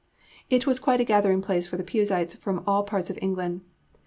It was quite a gathering place for Puseyites from all parts of England.